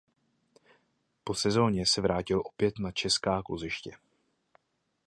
Po sezoně se vrátil opět na česká kluziště.